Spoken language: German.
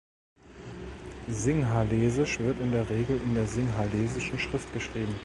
Singhalesisch wird in der Regel in der Singhalesischen Schrift geschrieben.